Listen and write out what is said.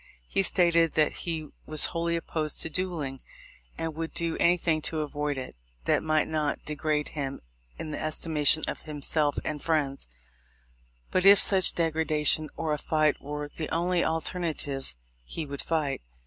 He stated that he was wholy opposed to duelling, and would do anything to avoid it that might not degrade him in the estimation of himself and friends; but, if such degradation or a fight were the only alterna tives, he would fight.